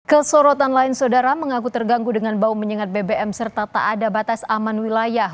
kesorotan lain saudara mengaku terganggu dengan bau menyengat bbm serta tak ada batas aman wilayah